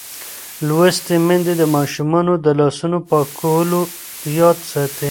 لوستې میندې د ماشومانو د لاسونو پاکولو یاد ساتي.